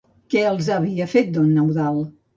Què els hi havia fet don Eudald?